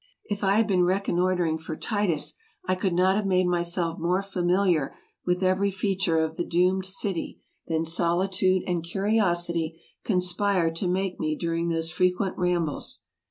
If I had been recon noitering for Titus I could not have made myself more familiar with every feature of the doomed city than solitude and curi osity conspired to make me during those frequent rambles.